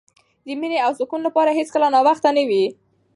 د مینې او سکون لپاره هېڅکله ناوخته نه وي.